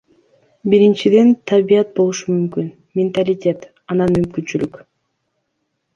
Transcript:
Биринчиден, табият болушу мүмкүн, менталитет, анан мүмкүнчүлүк.